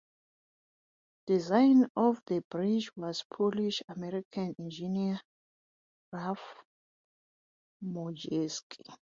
Designer of the bridge was Polish-American engineer Ralph Modjeski.